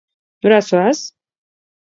Nora zoaz?